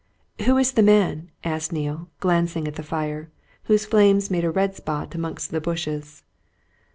"Who is the man?" asked Neale, glancing at the fire, whose flames made a red spot amongst the bushes.